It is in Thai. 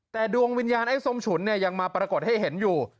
แต่ดวงวิญญาณไอ้ส้มฉุนเนี่ยยังมาปรากฏให้เห็นอยู่